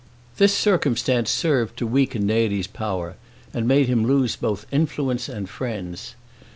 This circumstance served to weaken Neri's power, and made him lose both influence and friends.